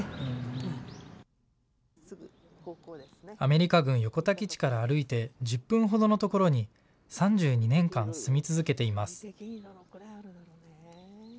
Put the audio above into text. アメリカ軍横田基地から歩いて１０分ほどのところに３２年間、住み続けています。